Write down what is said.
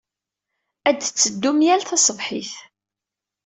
Ad tetteddum yal taṣebḥit.